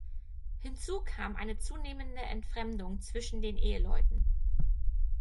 Hinzu kam eine zunehmende Entfremdung zwischen den Eheleuten.